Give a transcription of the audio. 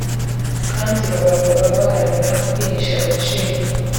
kandi bagakora baharanira kwihesha agaciro